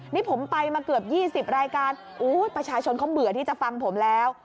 นี่ผมไปมาเกือบ๒๐รายการประชาชนเขาเบื่อที่จะฟังผมแล้ว